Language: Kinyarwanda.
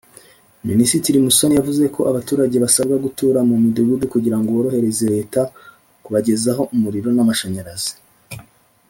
Minisitiri Musoni yavuze ko abaturage basabwa gutura mu midugudu kugira ngo borohereze Leta kubagezaho umuriro w’amashanyarazi